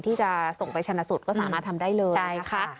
ที่จะส่งไปชนะสูตรก็สามารถทำได้เลยนะคะ